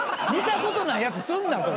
見たことないやつすんな